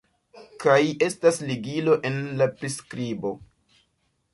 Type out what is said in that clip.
kaj estas ligilo en la priskribo